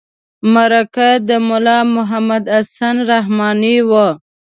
مرکه د ملا محمد حسن رحماني وه.